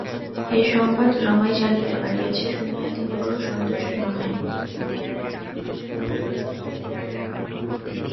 এ সংবাদ রমাই জানিতে পারিয়াছে শুনিয়া তিনি বড় সন্তুষ্ট নহেন।